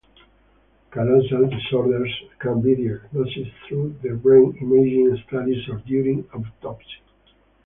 Callosal disorders can be diagnosed through brain imaging studies or during autopsy.